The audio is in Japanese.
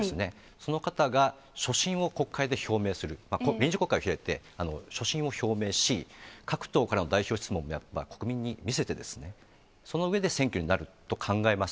その方が、所信を国会で表明する、臨時国会を開いて所信を表明し、各党からの代表質問をやっぱ国民に見せて、その上で選挙になると考えます。